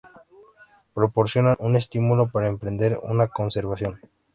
Proporcionan un estímulo para emprender una conversación.